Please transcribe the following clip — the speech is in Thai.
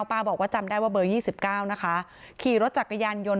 ป้าบอกว่าจำได้ว่าเบอร์ยี่สิบเก้านะคะขี่รถจักรยานยนต์